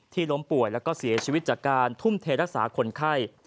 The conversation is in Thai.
ล้มป่วยแล้วก็เสียชีวิตจากการทุ่มเทรักษาคนไข้